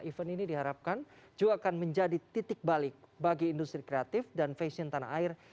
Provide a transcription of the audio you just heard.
event ini diharapkan juga akan menjadi titik balik bagi industri kreatif dan fashion tanah air